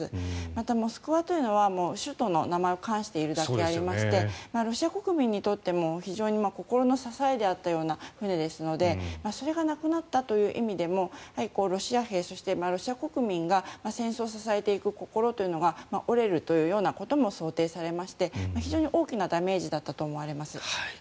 また「モスクワ」というのは首都の名前を冠しているだけありましてロシア国民にとっても非常に心の支えであったような船ですのでそれがなくなったという意味でもロシア兵、そしてロシア国民が戦争を支えていく心というのが折れるというようなことも想定されまして非常に大きなダメージだったと思われます。